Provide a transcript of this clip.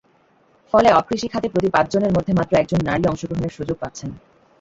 ফলে অকৃষি খাতে প্রতি পাঁচজনের মধ্যে মাত্র একজন নারী অংশগ্রহণের সুযোগ পাচ্ছেন।